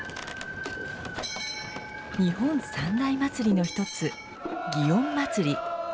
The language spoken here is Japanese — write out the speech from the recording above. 日本三大祭りのひとつ祇園祭。